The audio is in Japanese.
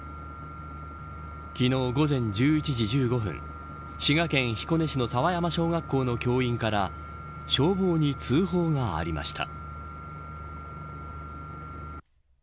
昨日午前１１時１５分滋賀県彦根市の佐和山小学校の教員から消防に通報がありました。